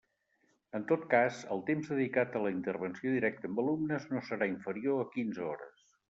En tot cas, el temps dedicat a la intervenció directa amb alumnes no serà inferior a quinze hores.